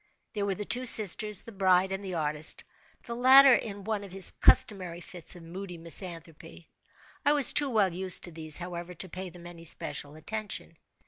There were the two sisters, the bride, and the artist—the latter in one of his customary fits of moody misanthropy. I was too well used to these, however, to pay them any special attention.